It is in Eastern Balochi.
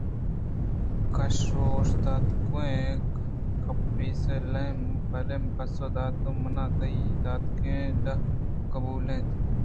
کش ءَ اوشتوکیں کپیس ءَ لہم لہم ءَ پسّہ دات منا تئی داتگیں ڈاہ قبُول اِنت